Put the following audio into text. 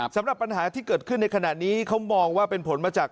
สำหรับปัญหาที่เกิดขึ้นในขณะนี้เขามองว่าเป็นผลมาจาก